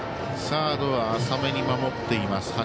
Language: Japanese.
サードは浅めに守っています。